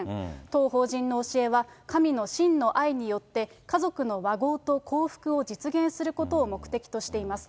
当法人の教えは、神の真の愛によって、家族の和合と幸福を実現することを目的としています。